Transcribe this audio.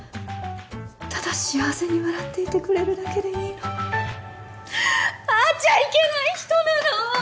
ただ幸せに笑っていてくれるだけでいいの会っちゃいけない人なの！